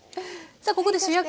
さあここで主役。